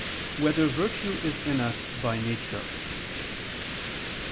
1] Whether Virtue Is in Us by Nature?